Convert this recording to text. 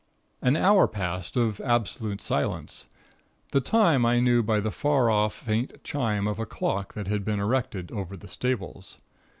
"An hour passed, of absolute silence. The time I knew by the far off, faint chime of a clock that had been erected over the stables.